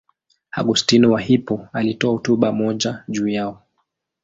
Augustino wa Hippo alitoa hotuba moja juu yao.